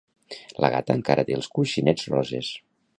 La gata encara té els coixinets roses.